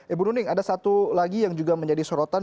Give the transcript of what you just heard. ibu nuning ada satu lagi yang juga menjadi sorotan